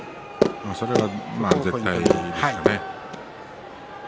それは絶対ですね。